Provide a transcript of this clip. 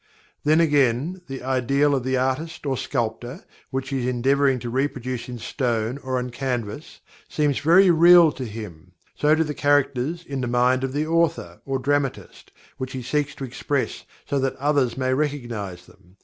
Then again, the ideal of the artist or sculptor, which he is endeavoring to reproduce in stone or on canvas, seems very real to him. So do the characters in the mind of the author; or dramatist, which he seeks to express so that others may recognize them.